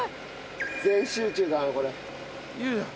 全集中だなこれ。